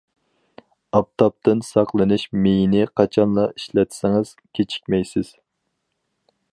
ئاپتاپتىن ساقلىنىش مېيىنى قاچانلا ئىشلەتسىڭىز كېچىكمەيسىز.